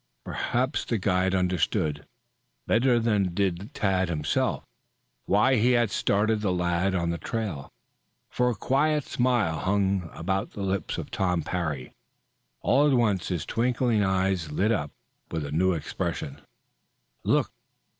Perhaps the guide understood, better than did Tad himself, why he had started the lad on the trail, for a quiet smile hung about the lips of Tom Parry. All at once his twinkling eyes lit up with a new expression. "Look!